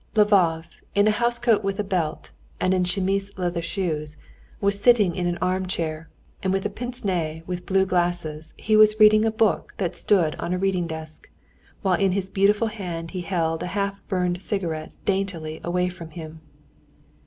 Lvov, in a house coat with a belt and in chamois leather shoes, was sitting in an armchair, and with a pince nez with blue glasses he was reading a book that stood on a reading desk, while in his beautiful hand he held a half burned cigarette daintily away from him.